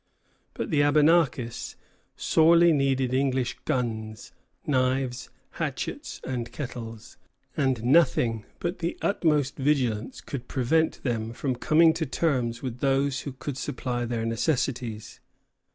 But the Abenakis sorely needed English guns, knives, hatchets, and kettles, and nothing but the utmost vigilance could prevent them from coming to terms with those who could supply their necessities.